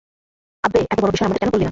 আব্বে, এতো বড় বিষয় আমাদের কেন বললি না?